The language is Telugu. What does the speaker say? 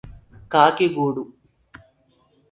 కాకి గూడు